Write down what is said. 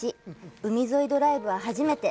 海沿いドライブは初めて。